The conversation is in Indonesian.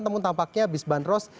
namun tampaknya bus bantros